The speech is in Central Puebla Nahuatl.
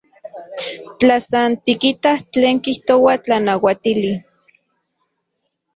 Tla san tikitaj tlen kijtoa tlanauatili.